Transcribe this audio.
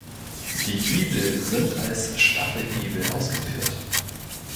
Die Giebel sind als Staffelgiebel ausgeführt.